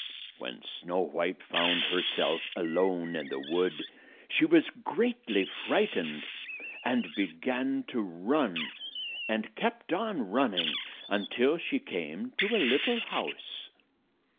When Snow White found herself alone in the wood, she was greatly frightened, and began to 234 run, and kept on running until she came to a little house.